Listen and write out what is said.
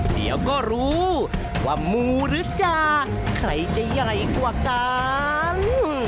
เดี๋ยวก็รู้ว่ามูหรือจาใครจะใหญ่กว่ากัน